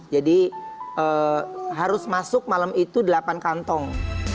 jadi harus masuk malam itu delapan kantong